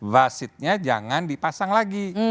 wasitnya jangan dipasang lagi